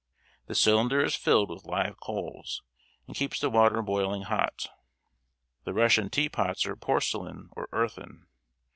The cylinder is filled with live coals, and keeps the water boiling hot. The Russian tea pots are porcelain or earthen.